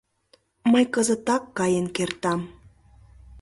— Мый кызытак каен кертам.